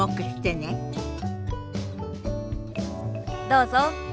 どうぞ。